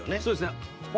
そうですね。